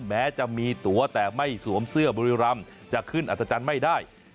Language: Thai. แม้จะมีตัวแต่ไม่สวมเสื้อบุรีรำจะขึ้นอัธจันทร์ไม่ได้